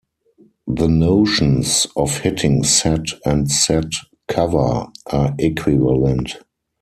The notions of hitting set and set cover are equivalent.